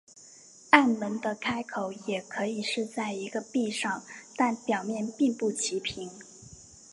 暗门的开口也可以是在一个壁上但表面并不齐平。